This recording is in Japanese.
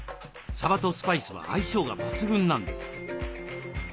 さばとスパイスは相性が抜群なんです。